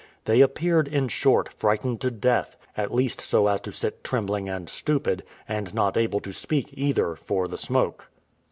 They appeared, in short, frightened to death, at least so as to sit trembling and stupid, and not able to speak either, for the smoke.